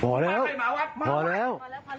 พอแล้วมาพอแล้ว